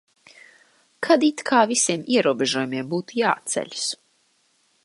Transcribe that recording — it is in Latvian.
Kad it kā visiem ierobežojumiem būtu jāatceļas.